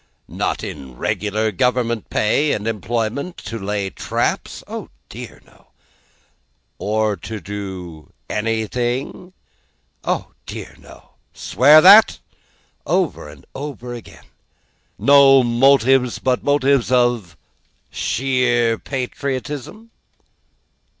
Not in regular government pay and employment, to lay traps? Oh dear no. Or to do anything? Oh dear no. Swear that? Over and over again. No motives but motives of sheer patriotism?